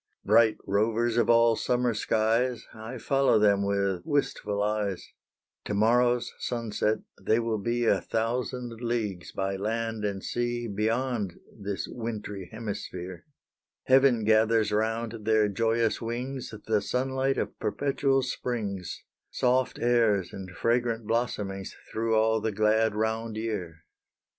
Bright rovers of all summer skies, I follow them with wistful eyes To morrow's sunset they will be A thousand leagues by land and sea Beyond this wintry hemisphere Heaven gathers round their joyous wings The sunlight of perpetual springs, Soft airs and fragrant blossomings Through all the glad round year.